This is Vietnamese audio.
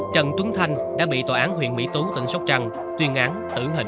trần tuấn thanh đã bị tòa án huyện bộ nguyễn hồ nguyên